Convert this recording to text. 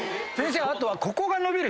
あとは。